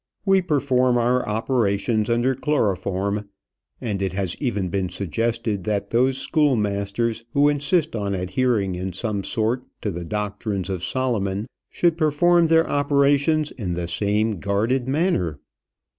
We perform our operations under chloroform; and it has even been suggested that those schoolmasters who insist on adhering in some sort to the doctrines of Solomon should perform their operations in the same guarded manner.